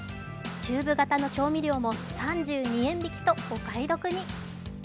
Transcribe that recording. チューブ型の調味料も３２円引きとお買い得に。